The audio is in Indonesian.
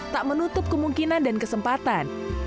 tak menutup kemungkinan dan kesempatan